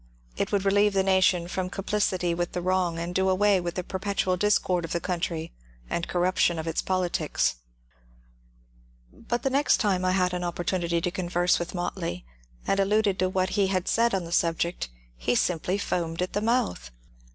It would relieve the nation from compUciiy with the wrong and do away with the per petual discord of the country and corruption of its politics. *^ But the next time I had an opportunity to converse with Motley, and alluded to what he had said on the subject, he simply foamed at the mouth.